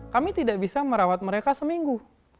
kami tidak bisa merawat mereka seminggu